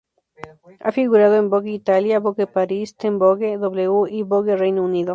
Ha figurado en "Vogue Italia", "Vogue Paris", "Teen Vogue", "W", y "Vogue Reino Unido".